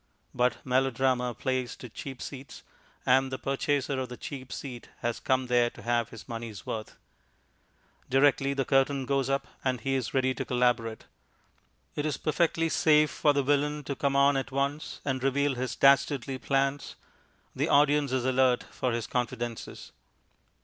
But melodrama plays to cheap seats, and the purchaser of the cheap seat has come there to have his money's worth. Directly the curtain goes up he is ready to collaborate. It is perfectly safe for the Villain to come on at once and reveal his dastardly plans; the audience is alert for his confidences.